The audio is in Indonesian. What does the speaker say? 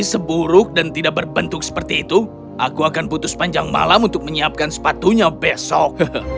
seburuk dan tidak berbentuk seperti itu aku akan putus panjang malam untuk menyiapkan sepatunya besok